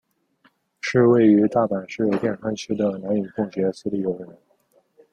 是位于大阪市淀川区的男女共学私立幼儿园。